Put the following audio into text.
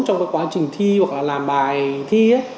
trong quá trình thi hoặc là làm bài thi